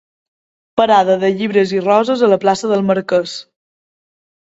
Parada de llibres i roses a la plaça del Marquès.